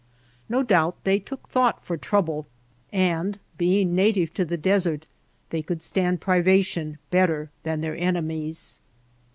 No doubt they took thought for trouble, and being native to the desert they could stand privation better than their enemies.